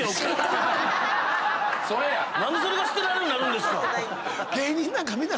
⁉何でそれが捨てられるになるんですか